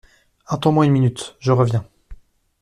Attends-moi une minute ; je reviens.